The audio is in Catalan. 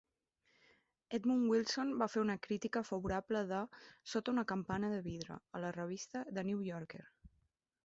Edmund Wilson va fer una crítica favorable de "Sota una campana de vidre" a la revista "The New Yorker".